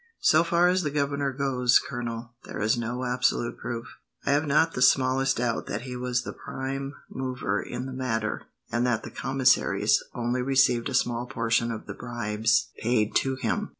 "So far as the governor goes, Colonel, there is no absolute proof. I have not the smallest doubt that he was the prime mover in the matter, and that the commissaries only received a small portion of the bribes paid to him.